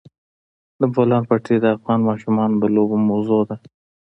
د بولان پټي د افغان ماشومانو د لوبو موضوع ده.